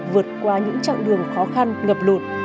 vượt qua những chặng đường khó khăn ngập lụt